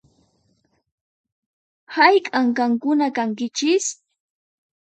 Hayk'an qankuna kankichis?